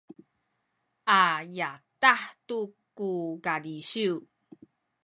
a yadah tu ku kalisiw